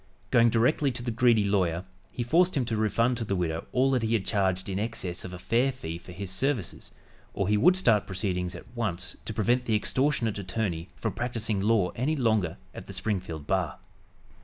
Going directly to the greedy lawyer, he forced him to refund to the widow all that he had charged in excess of a fair fee for his services, or he would start proceedings at once to prevent the extortionate attorney from practicing law any longer at the Springfield bar.